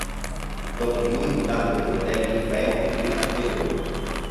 Dopo di lui nacquero i fratelli Remo, Dina e Bruno.